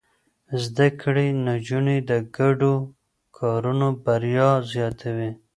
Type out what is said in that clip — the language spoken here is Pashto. زده کړې نجونې د ګډو کارونو بريا زياتوي.